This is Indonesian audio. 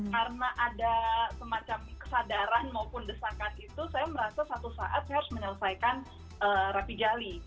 karena ada semacam kesadaran maupun desakan itu saya merasa satu saat saya harus menyelesaikan rapi jali